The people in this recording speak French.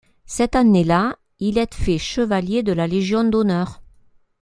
Cette année-là, il est fait chevalier de la Légion d'honneur.